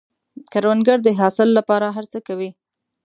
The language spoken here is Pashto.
کروندګر د حاصل له پاره هر څه کوي